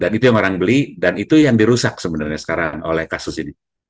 dan itu yang orang beli dan itu yang dirusak sebenarnya sekarang oleh kasus ini